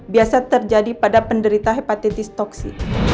biasa terjadi pada penderita hepatitis toksi